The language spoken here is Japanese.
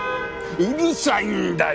うるさいんだよ！